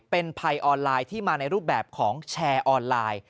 เป็นภัยออนไลน์ที่มาในรูปแบบของแชร์ออนไลน์